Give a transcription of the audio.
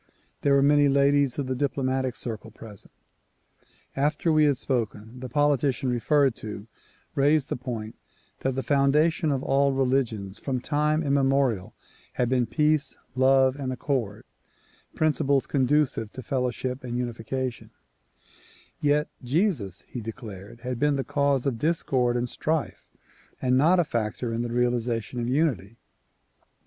There were many ladies of the diplomatic circle present. After we had spoken, the politician referred to raised the point that the foundation of all religions from time immemorial had been peace, love and accord, — principles conducive to fellow ship and unification, — yet Jesus, he declared had been "the cause of discord and strife and not a factor in the realization of unity."